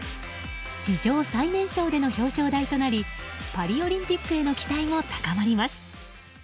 史上最年少での表彰台となりパリオリンピックへの期待も高まります。